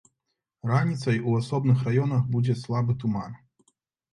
Раніцай у асобных раёнах будзе слабы туман.